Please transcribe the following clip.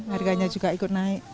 harganya juga ikut naik